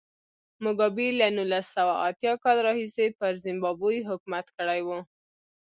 موګابي له نولس سوه اتیا کال راهیسې پر زیمبابوې حکومت کړی و.